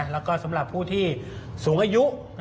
แล้วก็สำหรับผู้ที่สูงอายุ